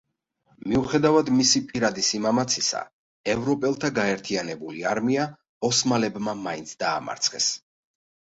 მიუხედავად მისი პირადი სიმამაცისა, ევროპელთა გაერთიანებული არმია ოსმალებმა მაინც დაამარცხეს.